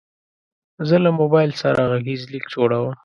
زه له موبایل سره غږیز لیک جوړوم.